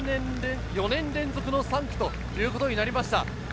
４年連続の３区ということになりました。